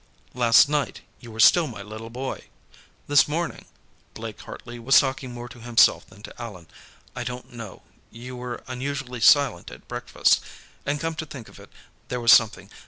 "Last night, you were still my little boy. This morning " Blake Hartley was talking more to himself than to Allan. "I don't know. You were unusually silent at breakfast. And come to think of it, there was something